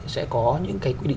sẽ có những cái quy định